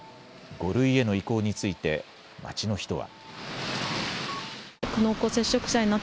５類への移行について、街の人は。